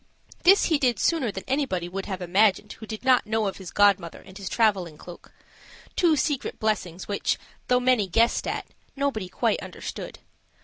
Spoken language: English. This he did sooner than anybody would have imagined who did not know of his godmother and his traveling cloak two secret blessings, which, though many guessed at, nobody quite understood.